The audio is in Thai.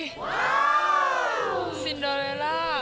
โอ้วซินโดเรลล่า